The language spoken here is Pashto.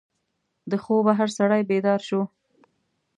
د خوبه هر سړی بیدار شو.